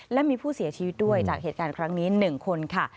และมีผู้เสียชีวิตด้วยจากเหตุการณ์ครั้งนี้๑คนค่ะ